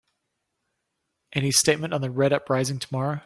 Any statement on the Red uprising tomorrow?